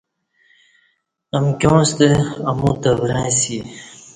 امکیاں ستہ امو تورں اسی